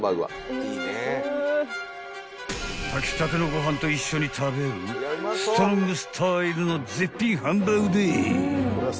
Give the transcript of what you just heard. ［炊きたてのご飯と一緒に食べるストロングスタイルの絶品ハンバーグでい］